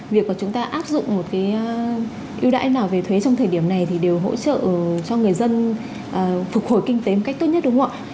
việc mà chúng ta áp dụng một cái ưu đãi nào về thuế trong thời điểm này thì đều hỗ trợ cho người dân phục hồi kinh tế một cách tốt nhất đúng không ạ